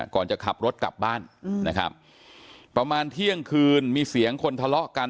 ก่อนจะขับรถกลับบ้านนะครับประมาณเที่ยงคืนมีเสียงคนทะเลาะกัน